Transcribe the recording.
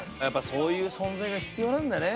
そういう存在が必要なんだね